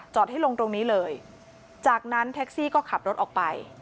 ให้ลงตรงนี้เลยจากนั้นแท็กซี่ก็ขับรถออกไป